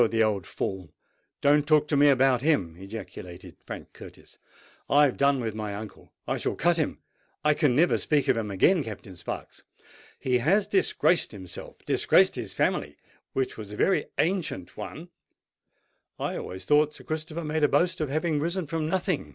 the old fool—don't talk to me about him!" ejaculated Frank Curtis. "I have done with my uncle—I shall cut him—I can never speak to him again, Captain Sparks. He has disgraced himself—disgraced his family, which was a very ancient one——" "I always thought Sir Christopher made a boast of having risen from nothing?"